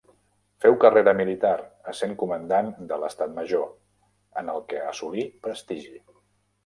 Feu carrera militar, essent comandant de l'estat major, en el que assolí prestigi.